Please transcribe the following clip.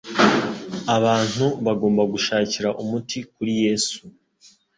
Abantu bagomba gushakira umuti kuri Yesu,